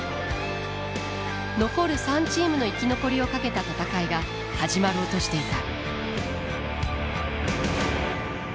残る３チームの生き残りをかけた戦いが始まろうとしていた。